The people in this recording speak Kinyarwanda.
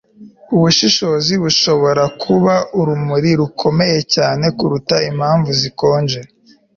ubushishozi bushobora kuba urumuri rukomeye cyane kuruta impamvu zikonje